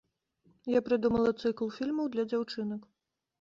Я прыдумала цыкл фільмаў для дзяўчынак.